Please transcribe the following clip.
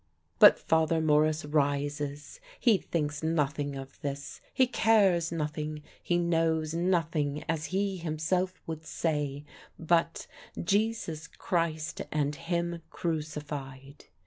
But Father Morris rises; he thinks nothing of this; he cares nothing; he knows nothing, as he himself would say, but "Jesus Christ, and him crucified."